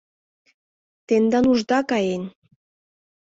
Тендан ушда каен!